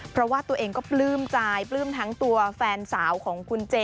เพราะว่าตัวเองก็ปลื้มใจปลื้มทั้งตัวแฟนสาวของคุณเจ